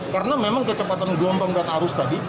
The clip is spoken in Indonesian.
karena memang kecepatan gombang dan arus tadi